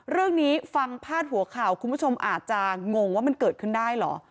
เรื่องนี้ฟังพาดหัวข่าวคุณผู้ชมอาจจะงงว่ามันเกิดขึ้นได้เหรอ